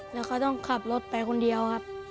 แล้วเขาต้องขับรถไปคนเดียวครับ